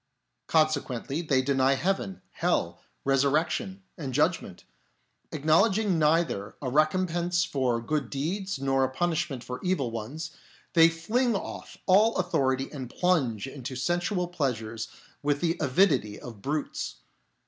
Consequently they deny heaven, hell, resur rection, and judgment. Acknowledging neither a recompense for good deeds nor a punishment for evil ones, they fling off all authority and plunge into sensual pleasures with the avidity of brutes.